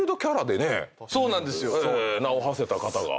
名をはせた方が。